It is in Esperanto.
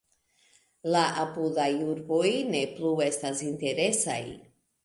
La apudaj urboj ne plu estas interesaj.